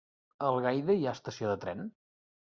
A Algaida hi ha estació de tren?